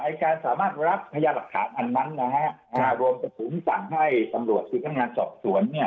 ยัดหลักฐานอันนั้นนะครับการรวมประสุนสั่งให้ตำรวจสิทธิ์การงานสอบสวนเนี่ย